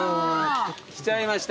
来ちゃいました。